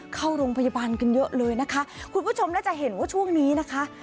เข้าโรงพยาบาลกันเยอะเลยนะคะคุณผู้ชมและจะเห็นว่าช่วงนี้นะคะ